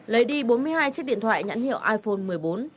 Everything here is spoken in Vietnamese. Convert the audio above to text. lấy đi bốn mươi hai chiếc điện thoại nhãn hiệu iphone một mươi bốn